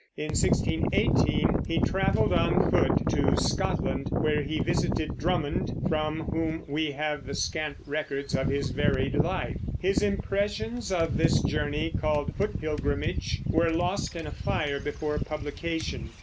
In 1618 he traveled on foot to Scotland, where he visited Drummond, from whom we have the scant records of his varied life. His impressions of this journey, called Foot Pilgrimage, were lost in a fire before publication.